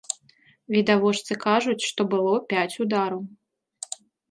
Відавочцы кажуць, што было пяць удараў.